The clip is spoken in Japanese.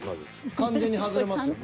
完全に外れますよね。